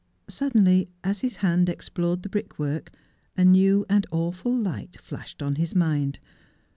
Suddenly, as his hand explored the brickwork, a new and awful light flashed on his mind.